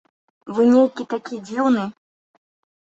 Вы нейкі такі дзіўны!